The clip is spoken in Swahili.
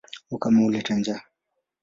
Ukame huleta njaa.